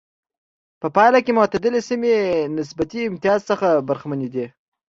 په پایله کې معتدله سیمې نسبي امتیاز څخه برخمنې دي.